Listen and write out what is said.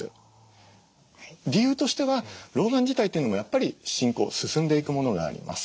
理由としては老眼自体というのもやっぱり進行進んでいくものがあります。